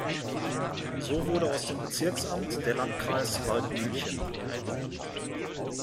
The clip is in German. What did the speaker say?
So wurde aus dem Bezirksamt der Landkreis Waldmünchen.